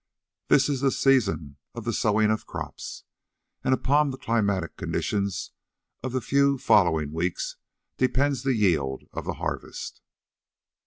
This is the season of the sowing of crops, and upon the climatic conditions of the few following weeks depends the yield of the harvest.